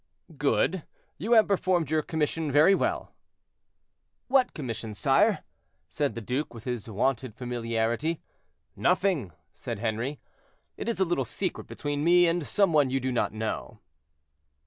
"Good. You have performed your commission very well." "What commission, sire?" said the duke, with his wonted familiarity. "Nothing!" said Henri. "It is a little secret between me and some one you do not know."